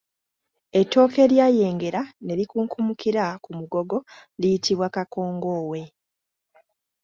Ettooke eryayengera ne likunkumukira ku mugogo liyitibwa Kakongoowe.